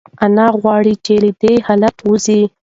انا غواړي چې له دې حالته ووځي.